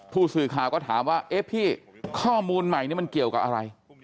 ผู้สื่อข่าวก็ถามว่าเอ๊ะพี่ข้อมูลใหม่นี่มันเกี่ยวกับอะไร